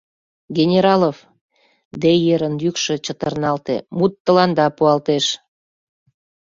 — Генералов, — Дейерын йӱкшӧ чытырналте, — мут тыланда пуалтеш.